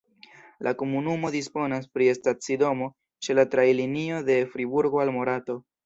La komunumo disponas pri stacidomo ĉe la trajnlinio de Friburgo al Morato.